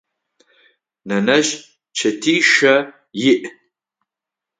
Нэнэжъ чэтишъэ иӏ.